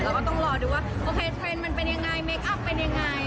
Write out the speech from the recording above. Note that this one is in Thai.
ก็ต้องรอดูว่าโอเคเทรนด์มันเป็นยังไงเมคอัพเป็นยังไง